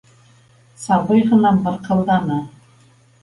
Сабый тағы мырҡылданы.